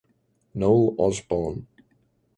Noel Osborn.